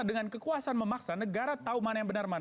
dengan kekuasaan memaksa negara tahu mana yang benar mana